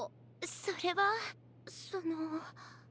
それはその。